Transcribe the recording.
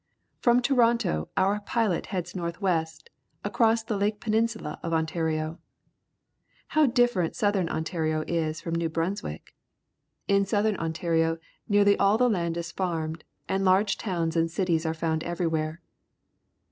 From Toronto our pilot heads north west across the Lake Peninsula of Ontario. How different Southern Ontario is from New Brunswick! In Southern Ontario nearly all the land is farmed, and large towns and cities are found everywhere.